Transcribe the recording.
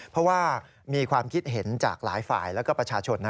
เพราะว่ามีความคิดเห็นจากหลายฝ่ายแล้วก็ประชาชนนะ